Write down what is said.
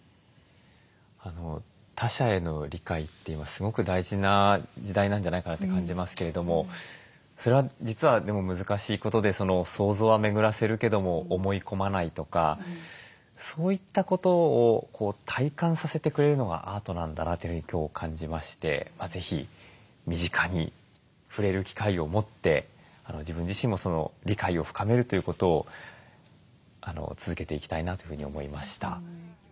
他者への理解って今すごく大事な時代なんじゃないかなって感じますけれどもそれは実はでも難しいことで想像は巡らせるけども思い込まないとかそういったことを体感させてくれるのがアートなんだなというふうに今日感じまして是非身近に触れる機会を持って自分自身もその理解を深めるということを続けていきたいなというふうに思いました。